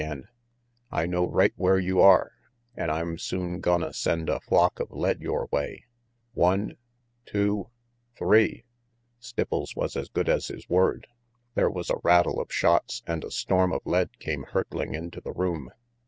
168 RANGY PETE "I know right where you are, an' I'm soon goi send a flock of lead your way. One Two Three!" Stipples was as good as his word. There was a rattle of shots and a storm of lead came hurtling into the room.